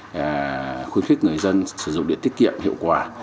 để khuyến khích người dân sử dụng điện tiết kiệm hiệu quả